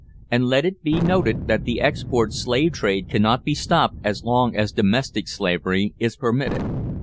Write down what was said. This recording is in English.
And let it be noted, that the export slave trade cannot be stopped as long as domestic slavery is permitted.